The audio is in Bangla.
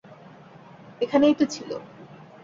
এখানেই তো ছিল।